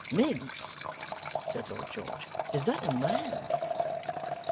'Miggs,' said Lord George. 'Is that a man?